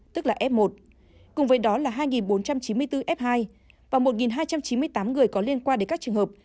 tức là f một cùng với đó là hai bốn trăm chín mươi bốn f hai và một hai trăm chín mươi tám người có liên quan đến các trường hợp